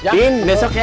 tin besok ya